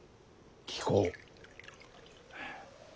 聞こう。